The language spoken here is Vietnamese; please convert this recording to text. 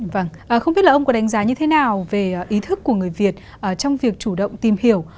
vâng không biết là ông có đánh giá như thế nào về ý thức của người việt trong việc chủ động tìm hiểu